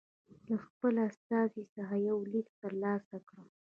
له خپل استازي څخه یو لیک ترلاسه کړ.